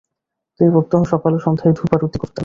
তিনি প্রত্যহ সকাল ও সন্ধ্যায় ধূপারতি করতেন।